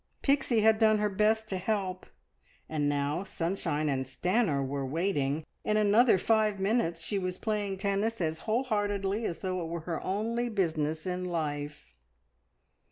Pixie had done her best to help, and now sunshine and Stanor were waiting! In another five minutes she was playing tennis as whole heartedly as though it were her only business in life.